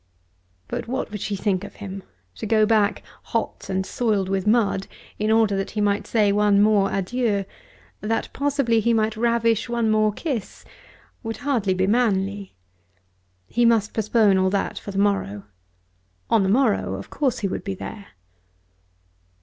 But what would she think of him? To go back hot, and soiled with mud, in order that he might say one more adieu, that possibly he might ravish one more kiss, would hardly be manly. He must postpone all that for the morrow. On the morrow of course he would be there.